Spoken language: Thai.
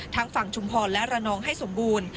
ทั้งฝั่งชุมพรและระนองให้สมบูรณ์